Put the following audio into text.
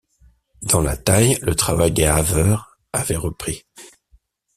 Dans la taille, le travail des haveurs avait repris.